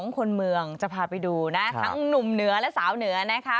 คนเมืองจะพาไปดูนะทั้งหนุ่มเหนือและสาวเหนือนะคะ